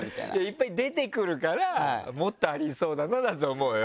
いっぱい出てくるから「もっとありそうだな」だと思うよ。